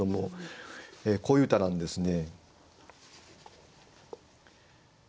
こういう歌なんですね。